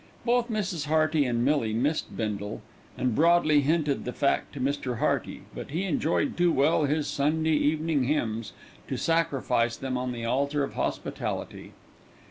Both Mrs. Hearty and Millie missed Bindle, and broadly hinted the fact to Mr. Hearty; but he enjoyed too well his Sunday evening hymns to sacrifice them on the altar of hospitality.